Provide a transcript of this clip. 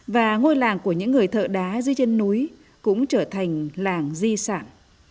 và ngôi làng của những người thợ đá dưới chân núi cũng trở thành làng di sản